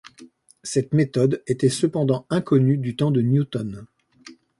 Cette méthode était cependant inconnue du temps de Newton.